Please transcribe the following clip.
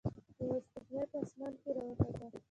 یوه سپوږمۍ په اسمان کې راوخته.